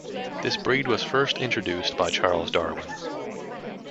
This breed was first introduced by Charles Darwin.